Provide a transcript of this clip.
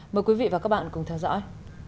mời quý vị và các bạn cùng theo dõi